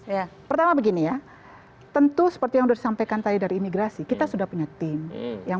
ya pertama begini ya tentu seperti yang sudah disampaikan tadi dari imigrasi kita sudah punya tim yang